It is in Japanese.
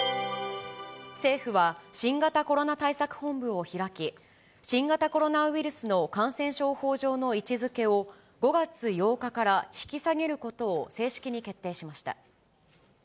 政府は新型コロナ対策本部を開き、新型コロナウイルスの感染症法上の位置づけを、５月８日から引き下げることを正式に決定しました。